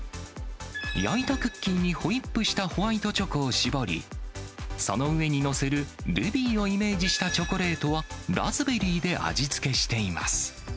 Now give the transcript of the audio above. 焼いたクッキーのホイップしたホワイトチョコを絞り、その上に載せるルビーをイメージしたチョコレートは、ラズベリーで味付けしています。